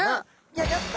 ギョギョッと！